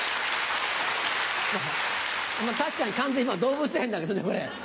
確かに完全に今動物園だけどねこれ。